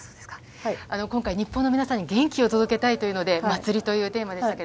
今回、日本のみなさんに元気を届けたいというので、「祭」というテーマでした。